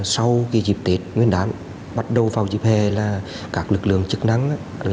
sau dịp tiết nguyên đám bắt đầu vào dịp hè là các lực lượng chức năng